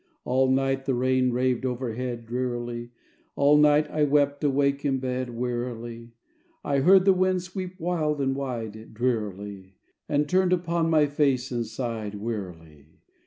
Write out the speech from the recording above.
All night the rain raved overhead, Drearily; All night I wept, awake in bed, Wearily. I heard the wind sweep wild and wide, Drearily; And turned upon my face and sighed Wearily.